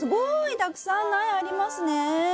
たくさん苗ありますね！